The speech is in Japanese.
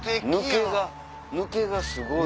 抜けがすごい！